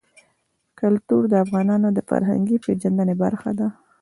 کلتور د افغانانو د فرهنګي پیژندنې برخه ده.